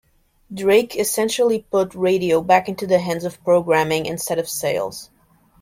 Drake essentially put radio back into the hands of programming, instead of sales.